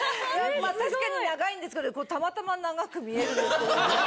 確かに長いんですけどたまたま長く見える。